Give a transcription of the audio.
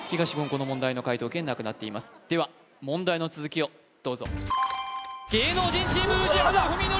この問題の解答権なくなっていますでは問題の続きをどうぞ芸能人チーム宇治原史規